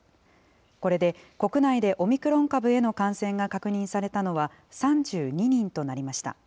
これで国内でオミクロン株への感染が確認されたのは３２人となりました。